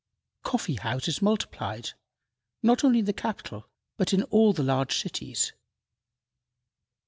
Coffee houses multiplied, not only in the capital, but in all the large cities.